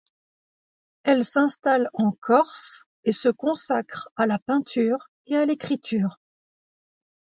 Elle s’installe en Corse et se consacre à la peinture et à l’écriture.